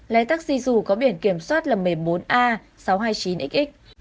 lái taxi dù có biển kiểm soát là một mươi bốn a sáu trăm hai mươi chín xx